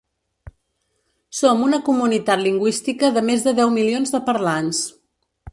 Som una comunitat lingüística de més de deu milions de parlants.